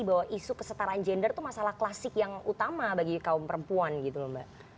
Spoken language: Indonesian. bahwa isu kesetaraan gender itu masalah klasik yang utama bagi kaum perempuan gitu loh mbak